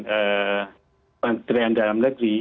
kementerian dalam negeri